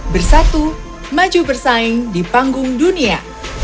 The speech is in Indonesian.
bersatu maju bersaing di panggung dunia